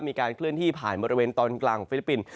มีการเคลื่อนที่ผ่านบริเวณตอนกลางของฟิลิปปินส์